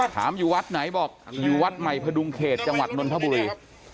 ถามอยู่วัดไหนบอกอยู่วัดใหม่พดุงเขตจังหวัดนนทบุรี